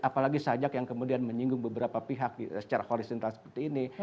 apalagi sajak yang kemudian menyinggung beberapa pihak secara horizontal seperti ini